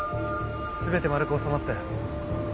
全て丸く収まったよ。